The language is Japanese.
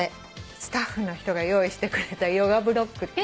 スタッフの人が用意してくれたヨガブロックっていう。